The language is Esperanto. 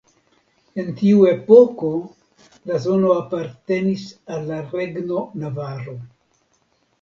En tiu epoko la zono apartenis al la regno Navaro.